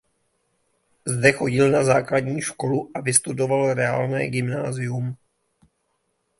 Zde chodil na základní školu a vystudoval reálné gymnázium.